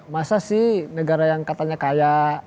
masa sih negara yang katanya kaya